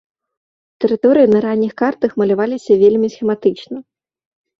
Тэрыторыі на ранніх картах маляваліся вельмі схематычна.